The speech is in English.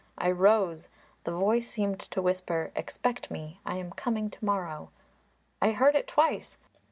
I rose; the voice seemed to whisper 'Expect me; I am coming to morrow.' I heard it twice.